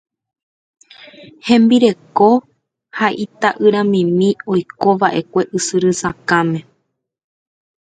Hembireko ha ita'yramimi oikova'ekue Ysyry Sakãme.